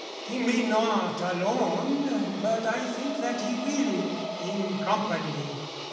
He may not, alone. But I think that he will, in company.